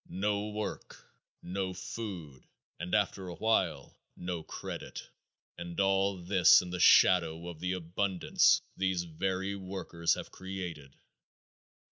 No work, no food, and after a while, no credit, and all this in the shadow of the abundance these very workers have created.